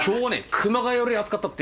熊谷より暑かったって。